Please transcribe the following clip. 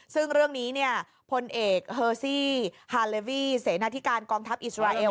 ซึ่งเรื่องนี้เนี่ยพลเอกเฮอร์ซี่ฮาเลวี่เสนาธิการกองทัพอิสราเอล